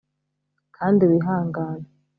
kandi wihangane